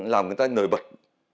làm người ta nổi bật